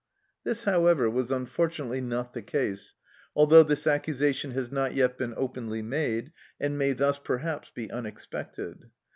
This, however, was unfortunately not the case, although this accusation has not yet been openly made, and may thus perhaps be unexpected.